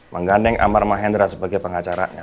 menggandeng amar mahendra sebagai pengacaranya